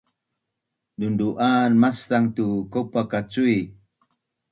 dudu’an maczang tu kaupa ka cui